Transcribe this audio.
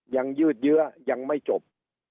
ยืดเยื้อยังไม่จบ